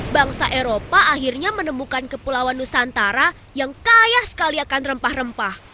bangsa eropa akhirnya menemukan kepulauan nusantara yang kaya sekali akan rempah rempah